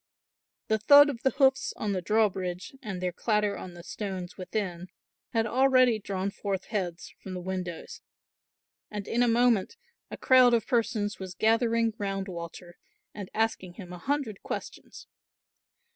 The thud of the hoofs on the drawbridge and their clatter on the stones within, had already drawn forth heads from the windows and in a moment a crowd of persons was gathering round Walter and asking him a hundred questions.